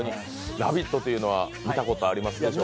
「ラヴィット！」というのは見たことありますでしょうか。